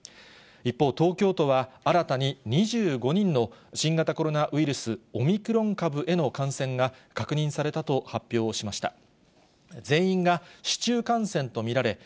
一方、東京都は新たに２５人の新型コロナウイルス・オミクロン株への感染が確認されたと発表しました。